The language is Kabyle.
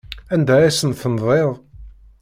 Anda ay asent-tendiḍ?